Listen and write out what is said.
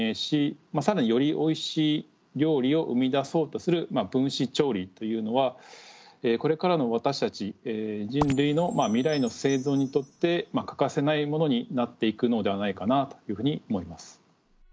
で今いろいろな新しい食材分子調理というのはこれからの私たち人類の未来の生存にとって欠かせないものになっていくのではないかなというふうに思います。